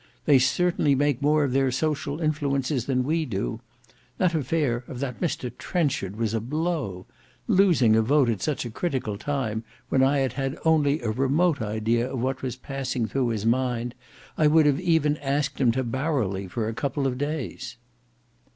They certainly make more of their social influences than we do. That affair of that Mr Trenchard was a blow. Losing a vote at such a critical time, when if I had had only a remote idea of what was passing through his mind, I would have even asked him to Barrowley for a couple of days."